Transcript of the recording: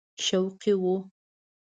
شوقي وو.